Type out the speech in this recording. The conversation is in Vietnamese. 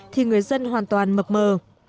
thì người dân hoàn toàn mập mờ